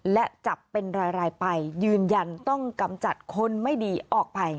และจับเป็นรายไปยืนยันต้องกำจัดคนไม่ดีออกไป